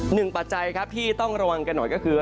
ปัจจัยครับที่ต้องระวังกันหน่อยก็คือ